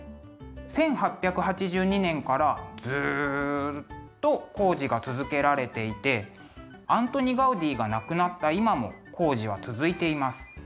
１８８２年からずっと工事が続けられていてアントニ・ガウディが亡くなった今も工事は続いています。